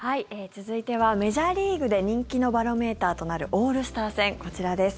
続いてはメジャーリーグで人気のバロメーターとなるオールスター戦こちらです。